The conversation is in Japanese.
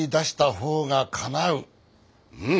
うん。